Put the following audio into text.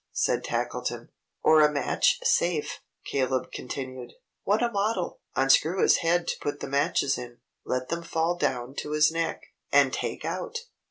said Tackleton. "Or a match safe," Caleb continued. "What a model! Unscrew his head to put the matches in. Let them fall down to his neck, and take out."